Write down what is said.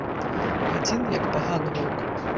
Адзін, як паганы воўк.